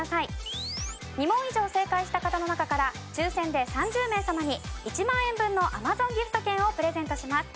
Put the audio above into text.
２問以上正解した方の中から抽選で３０名様に１万円分のＡｍａｚｏｎギフト券をプレゼントします。